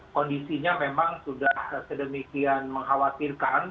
kondisinya memang sudah sedemikian mengkhawatirkan